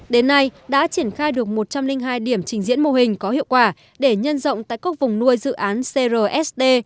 đến nay đã triển khai được một trăm linh hai điểm trình diễn mô hình có hiệu quả để nhân rộng tại các vùng nuôi dự án crsd